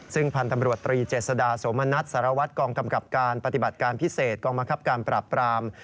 ซึ่งผ่านทตรีเจษด่าสมณัฐสรวทฯกองกำกับการปฏิบัติการพิเศษกองมะคับการปราบปราม